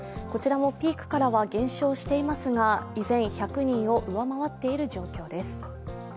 こちらもピークからは減少していますが依然、１００人を上回っている状況です。